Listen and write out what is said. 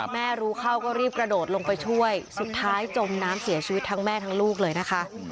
แม่รู้เข้าก็รีบกระโดดลงไปช่วยสุดท้ายจมน้ำเสียชีวิตทั้งแม่ทั้งลูกเลยนะคะ